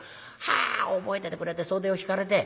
はあ覚えててくれて袖を引かれて。